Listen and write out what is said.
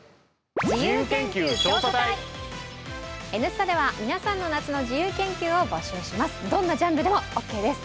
「Ｎスタ」では皆さんの夏の自由研究を募集します。